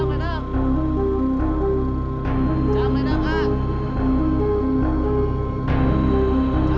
kembali ke kota kota kota